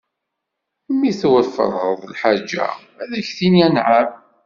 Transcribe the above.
Mi tweffreḍ lḥaǧa, ad ak-d-tini anɛam.